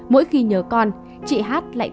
mỗi khi nhớ con chị hát lại